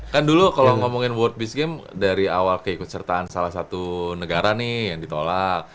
kan dulu kalau ngomongin world beach game dari awal keikutsertaan salah satu negara nih yang ditolak